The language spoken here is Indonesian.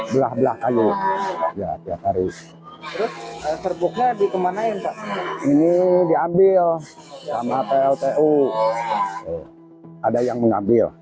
belah belah kayu ya tiap hari terus serbuknya dikemanain pak ini diambil sama pltu ada yang mengambil